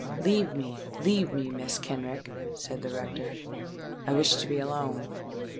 "Leave me—leave me, Mrs. Kenrick," said the rector; "I wish to be alone."